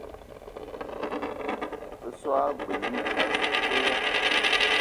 Be so g-beu gne assou toya.